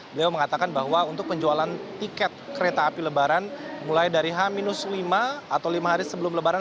beliau mengatakan bahwa untuk penjualan tiket kereta api lebaran mulai dari h lima atau lima hari sebelum lebaran